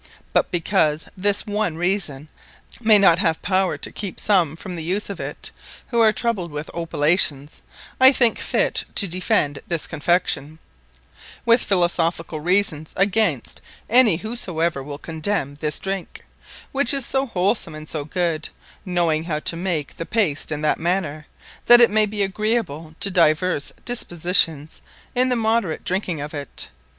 But because this onely reason, may not have power to keepe some from the use of it, who are troubled with Opilations; I thinke fit to defend this Confection, with Philosophicall Reasons, against any whosoever will condemne this Drinke, which is so wholesome, and so good, knowing how to make the Paste in that manner, that it may be agreeable to divers dispositions, in the moderate drinking of it.